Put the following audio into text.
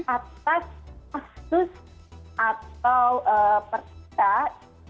atas kasus atau persat